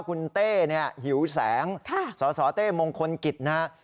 คุณเต้เนี่ยหิวแสงสสเต้มงคลกิจนะฮะ